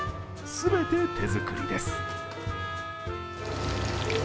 全て手作りです。